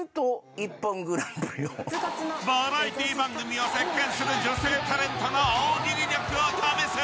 ［バラエティー番組を席巻する女性タレントの大喜利力を試す］